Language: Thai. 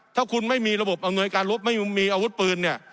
ถ้าคุณไม่มีระบบอำนวยการลบไม่มีอาวุธปืนเนี่ย